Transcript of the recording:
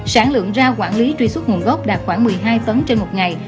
sản lượng ra quản lý truy xuất nguồn gốc đạt khoảng một mươi hai tấn trên một ngày